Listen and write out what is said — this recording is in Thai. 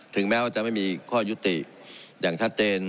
แม้ว่าจะไม่มีข้อยุติอย่างชัดเจน